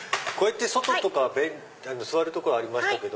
外とか座るとこありましたけど。